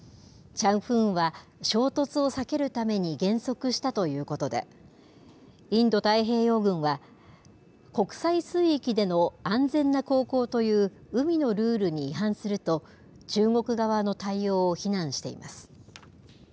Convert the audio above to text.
チャンフーンは、衝突を避けるために減速したということで、インド太平洋軍は、国際水域での安全な航行という、海のルールに違反すると、中国側の対応を非難しています。